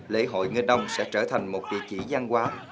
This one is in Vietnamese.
lễ hội nghênh nông sẽ trở thành một địa chỉ văn hóa